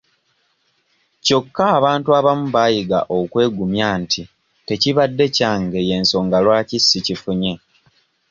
Kyokka abantu abamu baayiga okwegumya nti tekibadde kyange y'ensonga lwaki si kifunye.